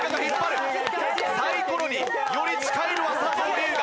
サイコロにより近いのは佐藤龍我。